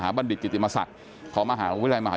มหาบัตดิตจิติมาศรและมหาวิทยาศาสตร์และมหาวิทยาศาสตร์